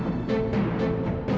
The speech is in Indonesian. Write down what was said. kenapa kau groom dia